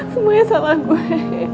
semuanya salah gue